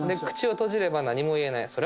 「口を閉じれば何も言えない」